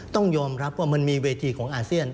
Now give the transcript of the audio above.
ต้องยอมรับว่ามันมีเวทีของอาเซียน